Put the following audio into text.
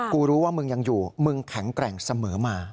กูรู้ว่ามึงยังอยู่มึงแข็งแกร่งเสมอมา